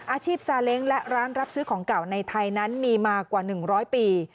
อาชีพซาเล้งและร้านรับซื้อของเก่าในไทยนั้นมีมากว่า๑๐๐ปี